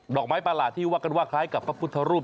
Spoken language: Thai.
อกไม้ประหลาดที่ว่ากันว่าคล้ายกับพระพุทธรูป